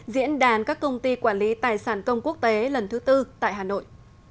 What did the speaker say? diễn đàn các công ty quản lý tài sản công quốc tế lần thứ tư tại hà nội